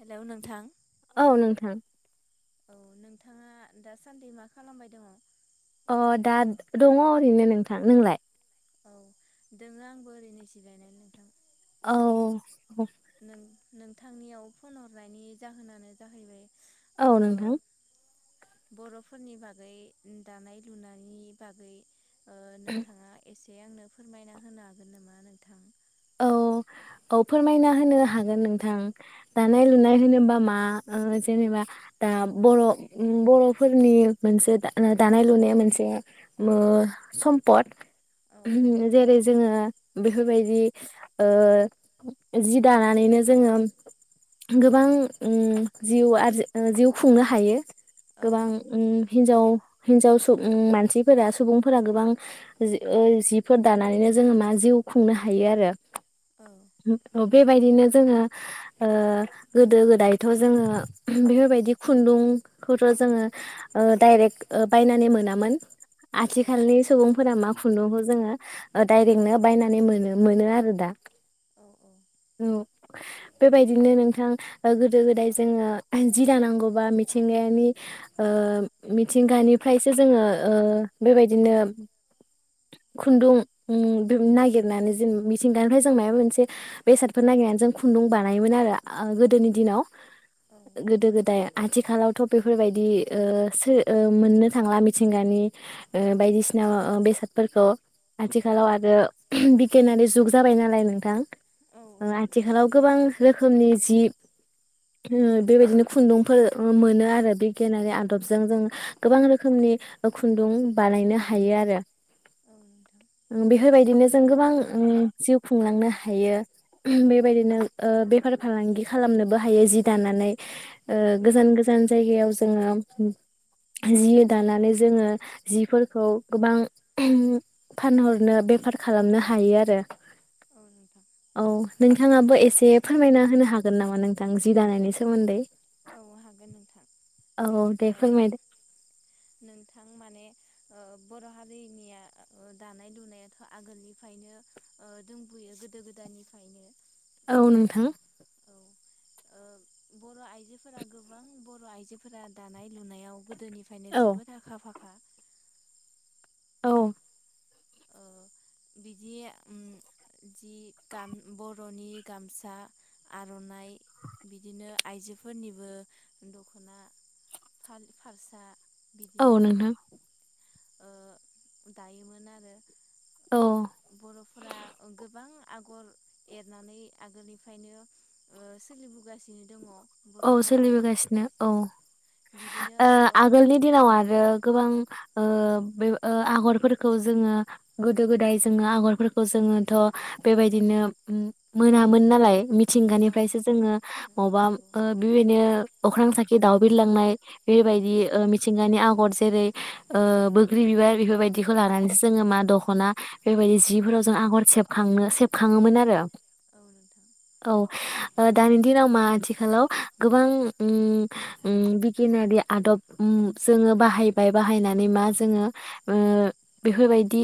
Hello नोंथां। औ नोंथां। औ नोंथाङा दासान्दि मा खालामबाय दङ? अ दा दङ ओरैनो नोंथां, नोंलाय? औ दोङो आंबो ओरैनो जिरायनानै नोंथां। औ नों-नोंथांनियाव फन हरनायनि जाहोनानो जाहैबाय औ ओ नोंथां। बरफोरनि बागै दानाय लुनायनि बागै, ओ नोंथाङा [unintelligible] एसे आंनो फोरमायना होनो हागोन नामा? नोंथां। औ औ फोरमायना होनो हागोन नोंथां। औ दानाय लुनाय होनोबा मा ओ जेनेबा दा बर ओम बरफोरनि मोनसे दानाय लुनाय मोनसे सम्पद। औ औ [unintelligible] जेरै जोङो बेफोर बायदि ओ जि दानानैनो जोङो गोबां उ जिउ आरजि जिउ खुंनो हायो। औ गोबां उ हिन्जाव हिनजाव सुब उम मानसिफोरा सुबुंफोरा गोबां जि जिफोर दानानैनो जोङो मा जिउ खुंनो हायो आरो। औ [unintelligible] [inaudible] औ। बे बायदिनो जोङो ओ गोदो गोदायथ जोङो बेफोर बायदि खुन्दुंखौथ जोङो ओ दडाइरेक ओ औ आरो दा औ बे बायदिनो नोंथां गोदो गोदाय जोङो जि दानांगौबा मिथिंगानि ओ मिथिंगानिफ्रायसो जोङो ओ बे बायदिनो खुन्दुं नागिरनानै जों मिथिंगानिफ्राय जों माबा मोनसे बेसादफोर नागिरनानै जों खुन्दुं बानायोमोन आरो गोदोनि दिनाव औ गोदो गोदाय आथिखालावथ बेफोर बायदि मोननो थांला मिथिंगानि बायदिसिना बेसादफोरखौ आथिखालाव आरो बिगियानारि जुग जाबाय नालाय नोंथां औ ओ नोंथां आथिखालाव गोबां रोखोम रोखोमनि जि बे बायदिनो खुन्दुंफोर मोनो आरो बिगियानारि आदबजों जों गोबां रोखोमनि खुन्दुं बानायनो हायो आरो। औ नोंथां बेफोर बायदिनो। जों गोबां ओम जिउ खुंलांनो हायो बे बायदिनो ओ बेफार फालांगि खालामनोबो हायो जि दानानै ओ औ गोजान गोजान जायगायाव जोङो जि दानानै जोङो जिफोरखौ गोबां फानहरनो बेफार खालामनो हायो आरो। औ नोंथां औ नोंथाङा बो एसे फोरमायना होनो हागोन नामा नोंथां जि दानायनि सोमोन्दै? औ हागोन औ दे ओम फोरमायदो नोंथां माने ओ बर' हारिनिया दानाय लुनायाथ' आगोलनिफ्रायनो ओ दंबोयो गोदो गोदायनिफायनो। औ नोंथां। ओ बर' आइजोफोरा गोबां बर' आइजोफोरा दानाय लुनायाव गोदोनिफायनो औ जोबोद आखा फाखा औ ओ बिदि उम जि गाम बर बर'नि गामसा आर'नाइ बिदिनो आइजोफोरनिबो दखना फालि फारसा औ बिदिनो नोंथां ओ दायोमोन आरो। औ बर'फोरा गोबां आगर एरनानै आगोलनिफायनो ओ सोलिबोगासिनो दङ। औ बर'फोरा सोलिबोगासिनो औ। ओ आगोलनि दिनाव आरो गोबां ओ ओ आगरफोरखौ जोङो गोदो गोदाय जोङो आगरफोरखौ जोङोथ' बेबायदिनो मोनामोन नालाय। औ मिथिंगानिफायसो औ जोङो मबा नंगौ बेबायदिनो अख्रां साखि दाउ बिलांनाय औ बेबायदि ओ मिथिंगानि आगर जेरै ओ बोग्रि बिबार बेफोरबायदिखौ लानानैसो जोङो मा दखना बेबायदि जिफोराव जों आगर सेबखांनो सेबखाङोमोन आरो। औ ओ दानि दिनाव मा आथिखालाव गोबां ओम ओम बिगियानारि आदब ओ जोङो बाहायबाय बाहायनानै मा जोङो ओ बेफोरबायदि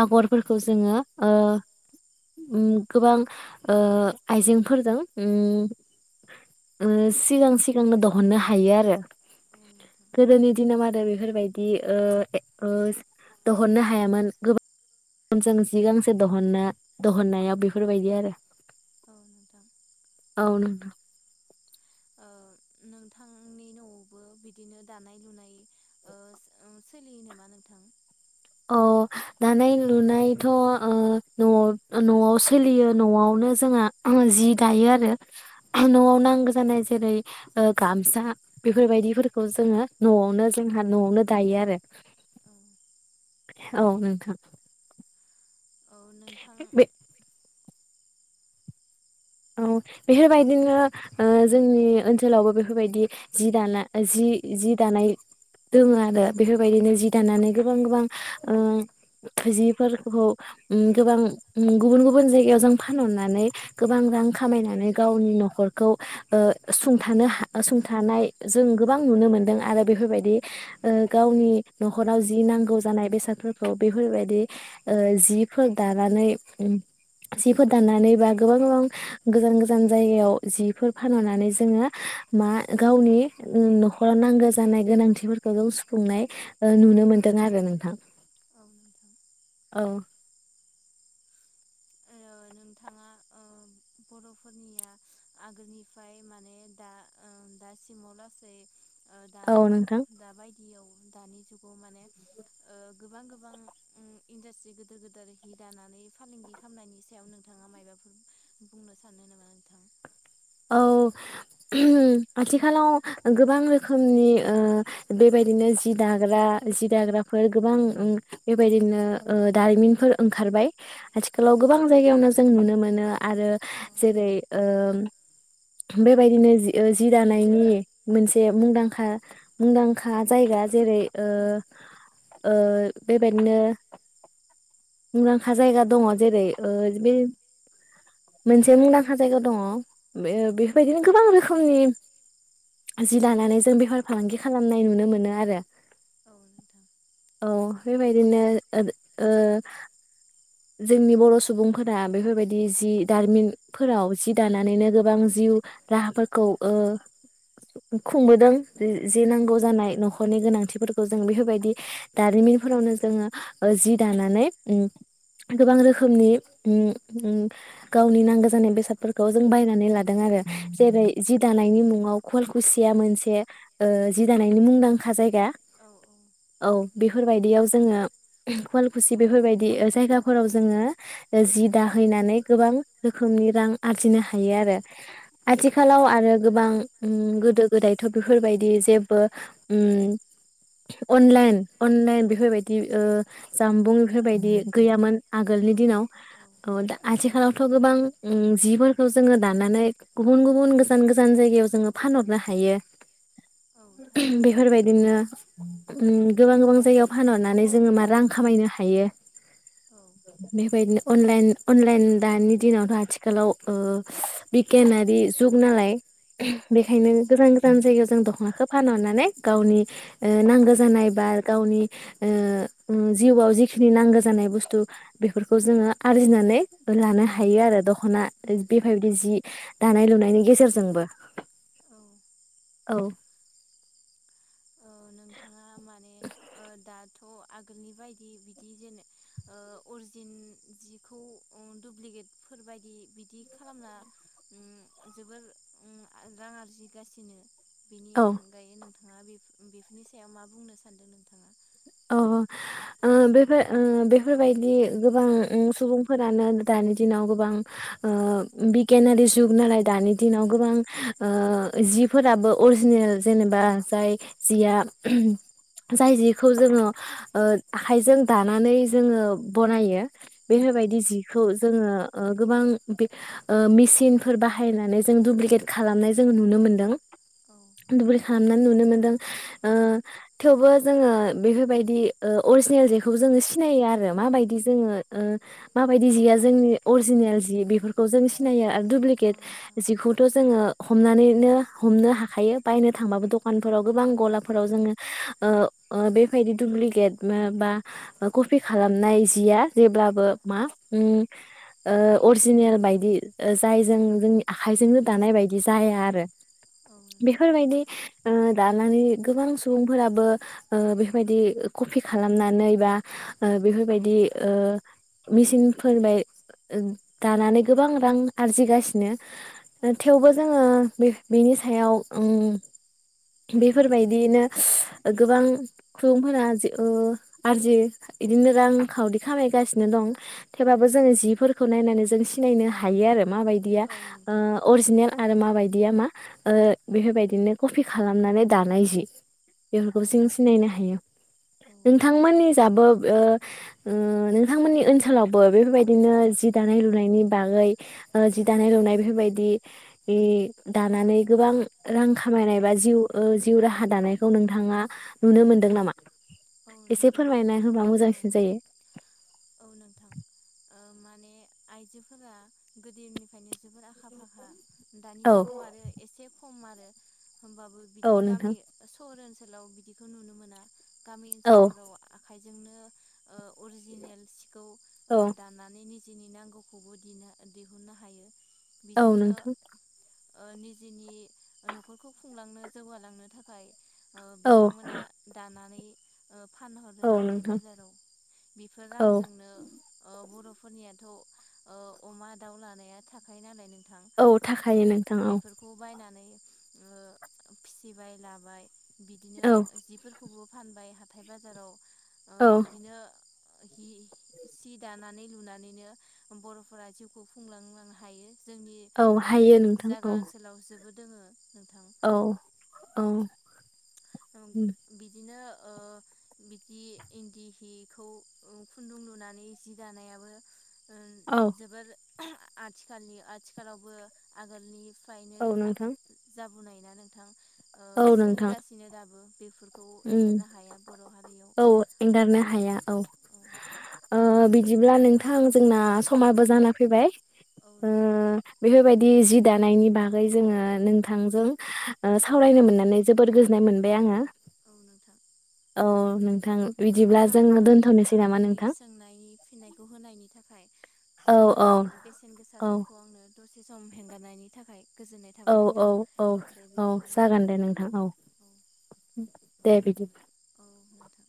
आगरफोरखौ जोङो ओ गोबां ओ आइजेंफोरजों ओम ओम सिगां सिगांनो दहननो हायो आरो औ नोंथां गोदोनि दिनाव आरो बेफोरबायदि ओ ओ दहननो हायामोन गोबां जि गांसे दहननो दहननायाव बेफोरबायदि आरो। औ नोंथां। औ नोंथां। ओ नोंथांनि न'आवबो बिदिनो दानाय लुनाय ओ सोलियो नामा नोंथां? औ दानाय लुनायथ' ओ न'आव-न'आव सोलियो न'आवनो जोंहा जि दायो आरो औ न'आव नांगौ जानाय जेरै गामसा बेफोरबायदिफोरखौ जोङो न'आवनो जोंहा न'आवनो दायो आरो। औ औ नोंथां। औ नोंथां बे औ बेफोरबायदिनो जोंनि ओनसोलावबो बेफोरबायदि जि दाना जि-जि दानाय दङ आरो बेफोरबायदिनो जि दानानै गोबां गोबां ओ जिफोरखौ गोबां गुबुन गुबुन जायगायाव जों फानहरनानै गोबां रां खामायनानै गावनि न'खरखौ ओ सुंथानो हा सुंथानाय जों गोबां नुनो मोनदों आरो औ बेफोरबायदि ओ गावनि न'खराव जि नांगौ जानाय बेसादफोरखौ बेफोरबायदि ओ जिफोर दानानै जिफोर दानानै बा गोबां गोबां गोजान गोजान जायगायाव जिफोर फानहरनानै जोङो मा गावनि न'खराव नांगौ जानाय गोनांथिफोरखौ जों सुफुंनाय नुनो मोनदों आरो नोंथां। औ [unintelligible] [unintelligible] ओ नोंथाङा ओ बर'फोरनिया आगोलनिफ्राय माने दा ओ दासिमाव लासै औ नोंथां। दायाव जुगाव माने गोबां गोबां इन्डासट्रि गोदोर गोदेर हि दानानै फालांगि खालामनायनि सायाव नोंथां नोंथाङा मायबाफोर बुंनो सानो नामा नोंथां औ आथिखालाव गोबां रोखोमनि ओ बेबायदिनो जि दाग्रा जि दाग्राफोर गोबां बेबायदिनो दारिमिनफोर ओंखारबाय औ आथिखालाव गोबां जायगायावनो जों नुनो मोनो आरो जेरै ओ बेबायदिनो जि जि दानायनि मोनसे मुंदांखा मुंदांखा जायगा जेरै ओ ओ बेबायदिनो मुंदांखा जायगा दङ जेरै ओ बे औ मोनसे मुंदांखा जायगा दङ औ बेफोरबायदिनो गोबां रोखोमनि जि दानानै जों बेफार फालांगि खालामनाय नुनो मोनो आरो। औ नोंथां। औ बेबायदिनो जोंनि बर' सुबुंफोरा बेफोरबायदि जि दारिमिनफोराव जि दानानैनो गोबां जिउ राहाफोरखौ ओ खुंबोदों। जे औ नांगौ जानाय नख नखरनि गोनांथिफोरखौ जों बेफोरबायदि दारिमिनफोरावनो जोङो जि दानानै उम गोबां रोखोमनि उम उम गावनि नांगौ जानाय बेसादफोरखौ जों बायनानै लादों आरो। जेरै जि दानायनि मुङाव खुवालकुसिया मोनसे ओ जि दानायनि मुंदांखा जाय गा औ औ। बेफोरबायदियाव जोङो खुवालखुसि बेफोरबायदि जायगाफोराव जोङो ओ जि दाहैनानै गोबां रोखोमनि रां आरजिनो हायो आरो आथिखालाव आरो गोबां उम गोदो गोदायथ बेफोरबायदि जेबो उम अनलाइन अनलाइन बेफोरबायदि ओ जामबुं बेफोरबायदि गैयामोन। आगोलनि औ दिनाव नोंथां औ दा आथिखालाव थ गोबां उम जिफोरखौ जोङो दानानै गुबुन गुबुन गोजान गोजान जायगायाव जोङो फानहरनो हायो। औ थारैनो नोंथां बेफोरबायदिनो उम गोबां गोबां जायगायाव फानहरनानै जोङो मा रां खामाय नो हायो औ बेबायदिनो अनलाइन अनलाइन दानि दिनावथ आथिखालाव ओ बिगियानारि जुग नालाय बेखायनो औ गोजान गोजान जायगायाव जों दखनाखौ फानहरनानै गावनि ओ नांगो जानाय बा गावनि ओ ओ जिउआव जिखिनि नांगो जानाय बुस्थु बेफोरखौ जोङो आरजिनानै लानो हायो आरो दखना बेफोरबायदि जि दानाय लुनायनि गेजेरजोंबो। औ औ औ। नोंथाङा माने ओ दाथ आगोलनि बायदि बिदि जेन ओ अरजिन जिखौ दुुब्लिकेटफोरबायदि बिदि खालामना उम जोबोर उम रां आरजिगासिनो बेनि औ अनगायै नों थांआ बि बेफोरनि सायाव मा बुंनो सानदों नोंथाङा। औ औ ओ बेफोर ओ बेफोरबायदि गोबां उम सुबुंफोरानो दानि दिनाव गोबां ओ बिगियानारि जुग नालाय दानि दिनाव गोबां ओ जिफोराबो अरिजिनेल जेनेबा जाय जिया जाय जि खौ जोङो ओ आखाइजों दानानै जोङो बनायो औ बेफोरबायदि जिखौ जोङो ओ गोबां बे ओ मेसिनफोर बाहायनानै जों दुुब्लिकेट खालामनाय जों नुनो मोनदों। औ दुप्लिकेट खालामनाय नुनो मोनदों ओ थेवबो जोङो बेफोरबायदि ओ अरजिनेल जेखौ जोङो सिनायो आरो माबायदि जोङो ओ माबायदि औ जिया जोंनि अरजिनेल जि बेफोरखौ जों सिनायो आ औ दुुब्लिकेट नोंथां जिखौथ जोङो हमनानैनो हमनो हाखायो बायनो थांबाबो दखानफोराव गोबां गलाफोराव जोङो ओ ओ बेबायदि दुुब्लिकेट बा कपि खालामनाय जिया जेब्लाबो मा उम ओ अरजिनेल बायदि जायजों जोंनि आखाइजोंनो दानाय बायदि जाया आरो। औ नोंथां बिफोर बायदि ओ दानानै गोबां सुबुंफोराबो ओ बेफोरबायदि कपि खालामनानै बा ओ बेफोरबायदि ओ मेसिनफोरबाय दानानै गोबां रां आरजिगासिनो। औ थेवबो जोङो बे-बेनि सायाव उम बेफोरबायदियैनो गोबां खुलुंफोरा ओ आरजियो इदिनो रांखावरि खामायगासिनो दं थेबाबो जोङो जिफोरखौ नायनानै जों सिनायनो हायोआरो माबायदिया औ नोंथां ओ अरजिनेल आरो माबायदिया मा ओ बेफोरबायदिनो कफि खालामनानै दानाय जि बेफोरखौ औ जों स सिनायनो हायो। औ नोंथांमोननि जाबो ओ ओ नोंथांमोननि ओनसोलावबो बेफोरबायदिनो जि दानाय लुनायनि बागै ओ जि दानाय लुनाय बेफोरबायदि दानानै गोबां रां खामायनाय बा जिउ ओ जिउ राहा दानायखौ नोंथाङा नुनो मोनदों नामा? औ एसे नुदों फोरमायना होबा नोंथां। औ मोजांसिन जायो औ नोंथां ओ मा ने आइजोफोरा गोदोनिफ्रायनो जोबोर आखा फाखा दानि औ जुगाव आरो एसे खम आरो होमबाबो बिदि औ नोंथां गामि सहर ओन ओनसोलाव बिदिखौ नुनो मोना। गामि औ ओनसोलफोराव आखाइ जोंनो ओ अरजिनेल सि खौ औ ओ दानानै नि दिनि नांगौखौबो दिना दिहुननो हायो औ बेजोंनो नोंथां ओ निजिनि नखरखौ खुंलांनो जौगालांनो थाखाय ओ औ बिथांमोना दानानै ओब फानहरो औ हाथाय नोंथां बाजाराव बेफोर औ रांजोंनो ओ बर'फो फोरनियाथ ओ अमा दाउ लानाया थाखायो नालाय नों औ थाखायो नोंथां औ बायनानै ओ फिसिबाय लाबाय बिदिनो औ जिफोरखौबो फानबाय हाथाय बाजाराव ओ औ बिदिनो ओ हि सि दानानै लुनानैनो बर 'फोरा जिउखौ खुंलांनो हायो जोंनि औ ओ हायो नोंथां जागा औ ओन्सोलाव जोबोद दोङो नोंथा औ औ ओं उम बिदिनो ओ बिदि इन्दि हिखौ ओं खुन्दुं लुनानै जि दानायाबो औ ओ जोबोर आथिखालनि-आथिखालावबो आगोलनि। बायनो औ आ नोंथां जाब बुनाय ना नोंथां। ओ औ नोंथां सोलिगास बेफोरखौ उम एंगारनो हाया बर हारियाव। औ एंगारनो हाया औ औ ओ बिदिब्ला नोंथां। जोंना औ समाबो जाना फैबाय औ ओ नोंथां बेफोर बाय दि जि दानायनि बागै जोङो नोंथांजों ओ सावरायनो मोननानै जोबोद गोजोननाय मोनबाय आङो‌। औ नोंथां। औ नोंथां। बिदिब्ला जोङो साबायखर नोंथाङा दोनथ'नोसै नामा आंनि नोंथां? सोंनायनि फिननायखौ होनायनि थाखाय। औ सम औ [unintelligible] बेसेन गोसा औ समखौ आंनो। दसे सम हेंगारनायनि थाखाय। गोजोननाय औ थाबाय औ नोंथां औ दे औ बिदिब्ला जागोन दे नोंथां औ दे बिदि नोंथां